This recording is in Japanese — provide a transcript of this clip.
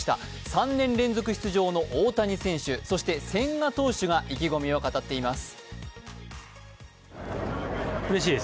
３年連続出場の大谷選手、そして千賀投手が意気込みを語っています。